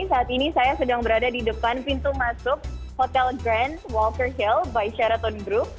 saat ini saya sedang berada di depan pintu masuk hotel grand walter shale by shareton group